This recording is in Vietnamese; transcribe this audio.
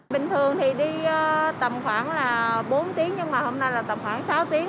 bình thường thì đi tầm khoảng là bốn tiếng nhưng mà hôm nay là tầm khoảng sáu tiếng